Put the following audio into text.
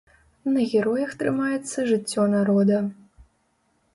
На героях трымаецца жыццё народа.